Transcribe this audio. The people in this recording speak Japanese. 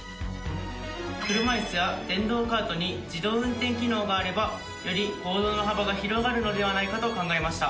車いすや電動カートに自動運転機能があれば、より行動の幅が広がるのではないかと考えました。